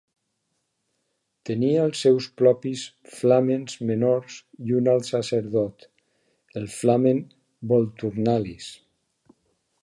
Tenia els seus propis flàmens menors i un alt sacerdot, el "Flamen Volturnalis".